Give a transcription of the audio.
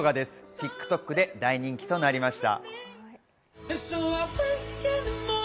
ＴｉｋＴｏｋで大人気となりました。